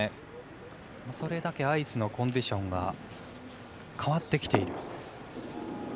それだけアイスのコンディションが変わってきてる。